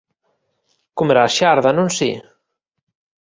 Comerás xarda, non si?